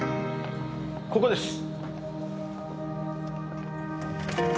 ここです。